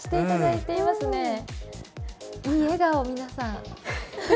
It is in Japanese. いい笑顔、皆さん。